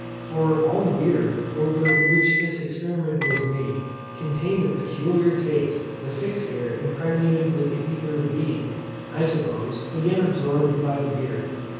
For all the beer, over which this experiment was made, contracted a peculiar taste; the fixed air impregnated with the ether being, I suppose, again absorbed by the beer.